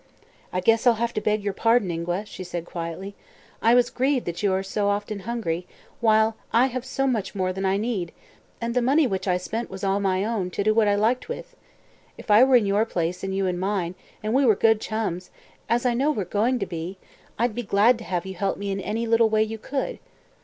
"I guess I'll have to beg your pardon, Ingua," she said quietly. "I was grieved that you are so often hungry, while I have so much more than I need, and the money which I spent was all my own, to do what I liked with. If I were in your place, and you in mine, and we were good chums, as I know we're going to be, I'd be glad to have you help me in any little way you could.